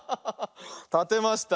たてました。